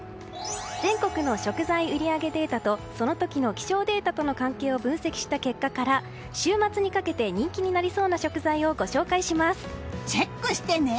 全国の食材売り上げデータとその時の気象データとの関係を分析した結果から週末にかけて人気になりそうな食材をチェックしてね！